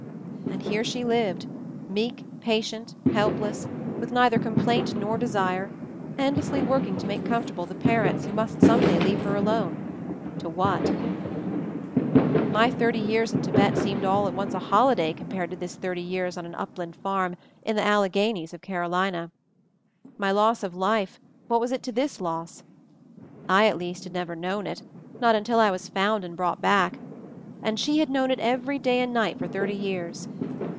And here she lived, meek, patient, help less, with neither complaint nor desire, end lessly working to make comfortable the pa rents who must some day leave her alone — to what ? My thirty years in Tibet seemed all at once a holiday Compared to this thirty years on an upland farm in the Alleghanies of Carolina. My loss of life — what was it to this loss? I, at least, had never known it, not until I was found and brought back, and she had known it every day and night for thirty years.